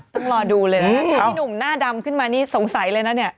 ต้องรอดูเลยนะคือพี่หนุ่มหน้าดำขึ้นมานี่สงสัยเลยนะเนี่ย